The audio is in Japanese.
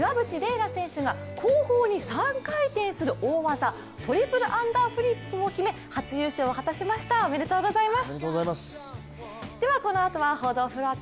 楽選手が、後方に３回転する大技を決め初優勝を果たしましたおめでとうございます。